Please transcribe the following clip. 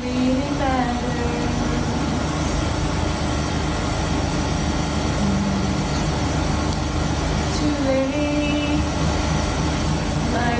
โดยมีลูกหนุนหนังแล้วก็ร้องเพลงโปรดให้กับพ่อฟัง